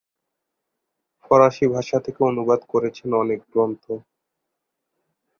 ফরাসি ভাষা থেকে অনুবাদ করেছেন অনেক গ্রন্থ।